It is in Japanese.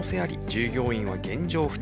従業員は現状２人。